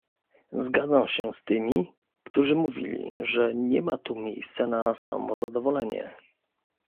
Zgadzam się z tymi, którzy mówili, że nie ma tu miejsca na samozadowolenie